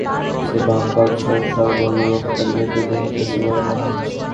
সে ভাব-গদগদ স্বরে বলল, লোকটার ভেতর জিনিস আছে বলে মনে হচ্ছে।